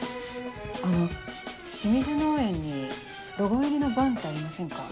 あの清水農園にロゴ入りのバンってありませんか？